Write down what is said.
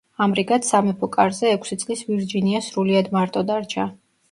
ამრიგად, სამეფო კარზე ექვსი წლის ვირჯინია სრულიად მარტო დარჩა.